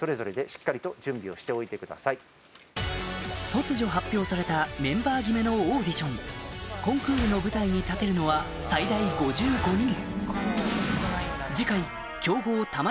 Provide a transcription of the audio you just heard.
突如発表されたメンバー決めのオーディションコンクールの舞台に立てるのは最大５５人